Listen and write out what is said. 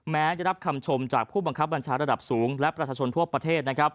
แม้จะรับคำชมจากผู้บังคับบัญชาระดับสูงและประชาชนทั่วประเทศ